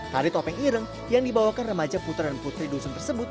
tari topeng ireng yang dibawakan remaja putra dan putri dusun tersebut